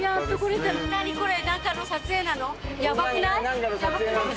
何これ？